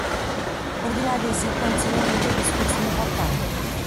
Ordinea de zi conține multe discuții importante.